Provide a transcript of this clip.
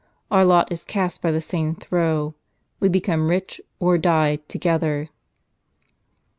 Our lot is cast by the same throw, — we become rich, or die, together."